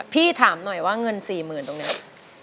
พี่ถามหน่อยว่าเงิน๔๐๐๐ตรงนี้